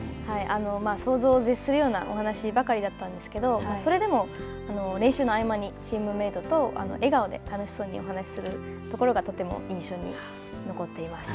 想像を絶するようなお話しばかりだったんですけど、それでも練習の合間にチームメートと笑顔で楽しそうにお話しするところがとても印象に残っています。